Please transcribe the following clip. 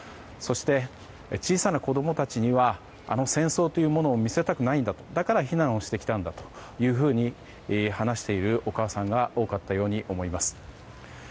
そして、小さな子供達にはあの戦争というものを見せたくないんだとだから避難してきたんだと話しているお母さんが多かったように思います。